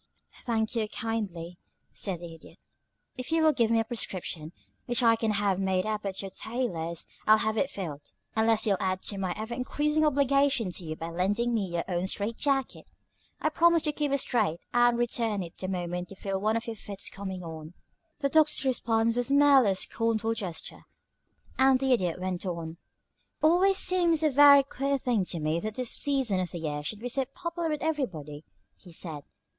"Thank you, kindly," said the Idiot. "If you'll give me a prescription, which I can have made up at your tailor's, I'll have it filled, unless you'll add to my ever increasing obligation to you by lending me your own strait jacket. I promise to keep it straight and to return it the moment you feel one of your fits coming on." The Doctor's response was merely a scornful gesture, and the Idiot went on: "It's always seemed a very queer thing to me that this season of the year should be so popular with everybody," he said.